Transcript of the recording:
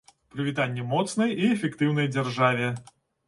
Прывітанне моцнай і эфектыўнай дзяржаве!